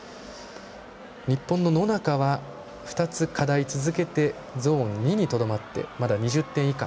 日本の野中は２つ、課題続けてゾーン２にとどまってまだ２０点以下。